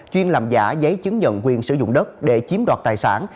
chuyên làm giả giấy chứng nhận quyền sử dụng đất để chiếm đoạt tài sản